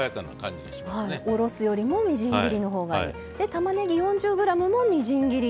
たまねぎ４０ｇもみじん切り。